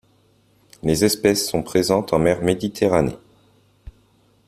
Les espèces sont présentes en mer Méditerranée.